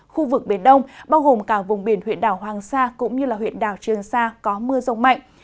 khu vực biển đông bao gồm cả vùng biển huyện đảo hoàng sa cũng như huyện đảo trường sa có mưa rông mạnh